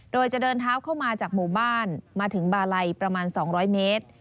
โดยจะเดินเท้าเข้ามาจากหมู่บ้านมาถึงบาลัยประมาณ๒๐๐เมตร